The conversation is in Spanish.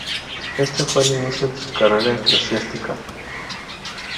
Ese fue el inicio de su carrera eclesiástica.